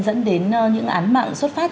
dẫn đến những án mạng xuất phát